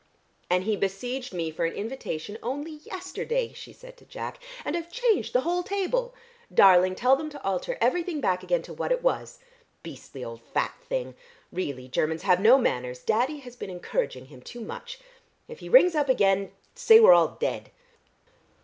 "And he besieged me for an invitation only yesterday," she said to Jack, "and I've changed the whole table. Darling, tell them to alter everything back again to what it was. Beastly old fat thing! Really Germans have no manners.... Daddy has been encouraging him too much. If he rings up again say we're all dead."